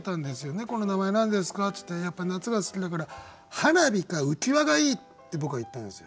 「猫の名前何ですか？」って言ってやっぱり夏が好きだから「はなび」か「うきわ」がいいって僕は言ったんですよ。